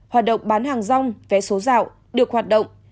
hoạt động bán hàng rong vé số dạo được hoạt động